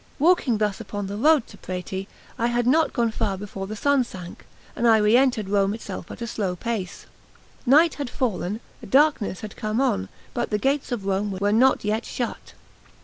Walking thus upon the road to Prati, I had not gone far before the sun sank, and I re entered Rome itself at a slow pace. Night had fallen; darkness had come on; but the gates of Rome were not yet shut.